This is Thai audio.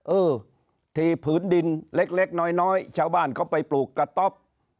เออทีผืนดินเล็กน้อยชาวบ้านเขาไปปลูกกระต๊อบ